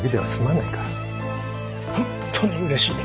本当にうれしい。